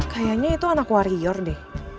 kayaknya itu anak warrior deh